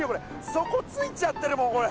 そこついちゃってるもんこれ！